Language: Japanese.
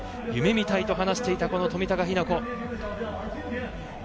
夢みたいと話していた冨高日向子。